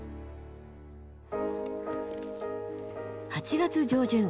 ８月上旬。